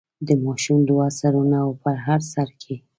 د ماشوم دوه سرونه او په هر سر کې.